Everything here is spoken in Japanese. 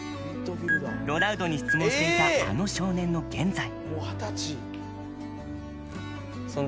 ロナウドに質問していたあの少年の現在。